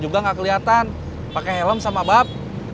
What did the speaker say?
lentang kelihatan pakai helm sama bab